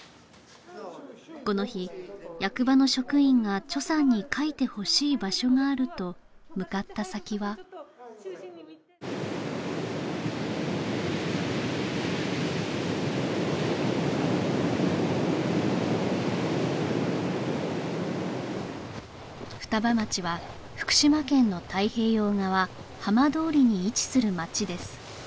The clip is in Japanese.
この日役場の職員がさんに描いてほしい場所があると向かった先は双葉町は福島県の太平洋側浜通りに位置する町です